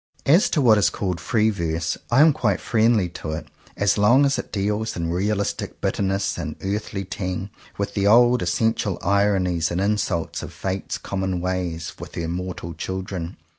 As to what is called Free Verse, I am quite friendly to it, as long as it deals, in realistic bitterness and earthly tang, with the old essential ironies and insults of Fate's com mon ways with her mortal children.